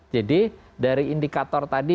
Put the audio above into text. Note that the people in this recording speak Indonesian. jadi dari indikator tadi